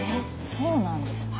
そうなんですね。